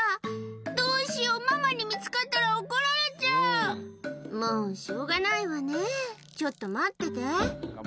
どうしよう、ママに見つかったらもう、しょうがないわねぇ、ちょっと待ってて。